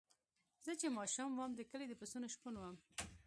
زه چې ماشوم وم د کلي د پسونو شپون وم.